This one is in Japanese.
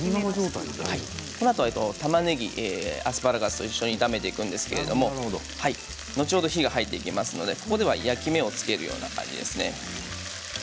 このあとたまねぎアスパラガスと一緒に炒めていくんですけれども後ほど火が入っていきますのでここでは焼き目をつけるような感じですね。